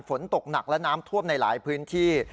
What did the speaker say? ฝนตกหนักและน้ำท่วมในหลายพื้นที่